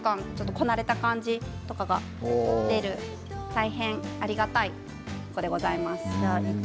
こなれた感じとかが出る大変ありがたいものでございます。